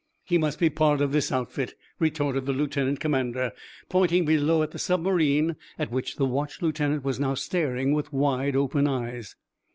"He must be part of this outfit," retorted the lieutenant commander, pointing below at the submarine, at which the watch lieutenant was now staring with wide open eyes.